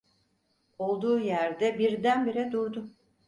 Olduğu yerde birdenbire durdu.